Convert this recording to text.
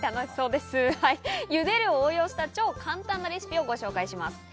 茹でるを応用した超簡単なレシピをご紹介します。